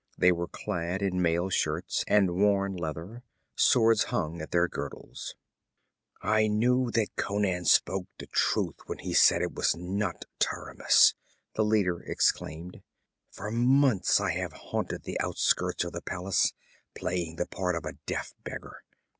They were clad in mail shirts and worn leather; swords hung at their girdles. 'I knew that Conan spoke the truth when he said it was not Taramis!' the speaker exclaimed. 'For months I have haunted the outskirts of the palace, playing the part of a deaf beggar.